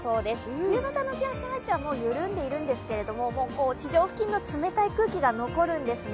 冬型の気圧配置は緩んでいるんですけど、地上付近の冷たい空気が残るんですね。